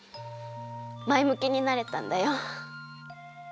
まえむきになれたんだよ。